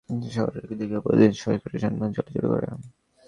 সরেজমিনে দেখা যায়, নকলা শহরের ওপর দিয়ে প্রতিদিন সহস্রাধিক যানবাহন চলাচল করে।